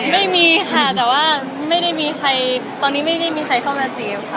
ไม่มีค่ะแต่ว่าไม่ได้มีใครตอนนี้ไม่ได้มีใครเข้ามาจีบค่ะ